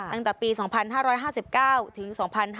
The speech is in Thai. ตั้งแต่ปี๒๕๕๙ถึง๒๕๕๙